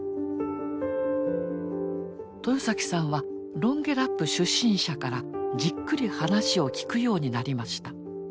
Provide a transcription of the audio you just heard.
豊さんはロンゲラップ出身者からじっくり話を聞くようになりました。